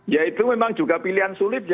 ya itu memang juga pilihan sulit